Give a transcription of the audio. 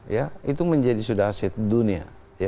ya itu menjadi sudah aset dunia